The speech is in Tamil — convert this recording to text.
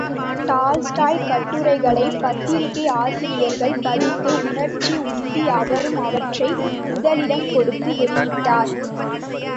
டால்ஸ்டாய் கட்டுரைகளைப் பத்திரிகை ஆசிரியர்கள் படித்து, உணர்ச்சி உந்தி அவரும் அவற்றை முதலிடம் கொடுத்து வெளியிட்டார்.